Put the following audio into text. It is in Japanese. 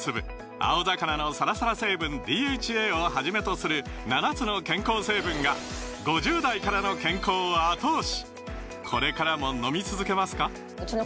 青魚のサラサラ成分ＤＨＡをはじめとする７つの健康成分が５０代からの健康を後押し！